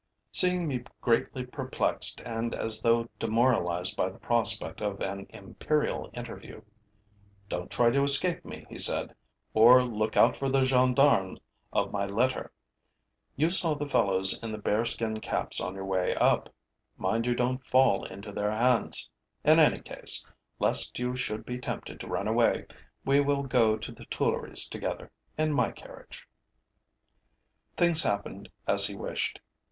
Seeing me greatly perplexed and as though demoralized by the prospect of an imperial interview: 'Don't try to escape me,' he said, 'or look out for the gendarmes of my letter! You saw the fellows in the bearskin caps on your way up. Mind you don't fall into their hands. In any case, lest you should be tempted to run away, we will go to the Tuileries together, in my carriage.' Things happened as he wished.